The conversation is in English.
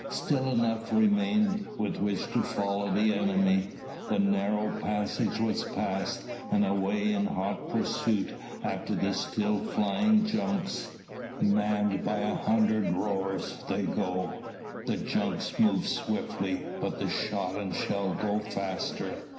Still enough remained with which to follow the enemy. The narrow passage was passed, and away in hot pursuit after the still flying junks, manned by a hundred rowers, they go. The junks move swiftly, but the shot and shell go faster.